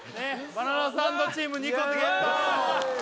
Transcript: バナナサンドチーム２個ゲットーイエーイ